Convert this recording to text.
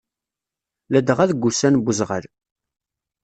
Ladɣa deg wussan n uzɣal.